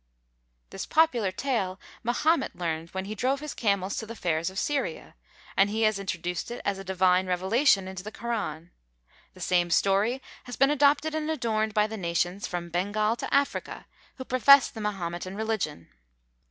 "This popular tale Mahomet learned when he drove his camels to the fairs of Syria; and he has introduced it, as a divine revelation, into the Koran." The same story has been adopted and adorned by the nations, from Bengal to Africa, who profess the Mahometan religion.